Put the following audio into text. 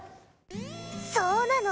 そうなの。